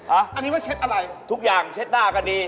อันนี้ว่าเช็ดอะไรทุกอย่างเช็ดหน้าก็ดี